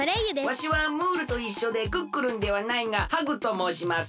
わしはムールといっしょでクックルンではないがハグともうします。